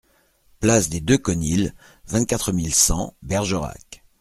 Place des Deux Conils, vingt-quatre mille cent Bergerac